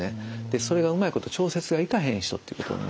それがうまいこと調節がいかへん人っていうことになります。